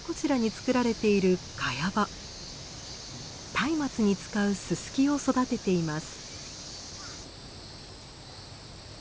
松明に使うススキを育てています。